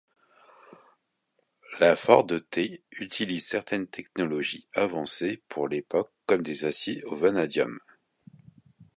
La Ford T utilise certaines technologies avancées pour l'époque, comme des aciers au vanadium.